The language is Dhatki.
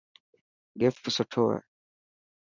گفٽ سٺو هي.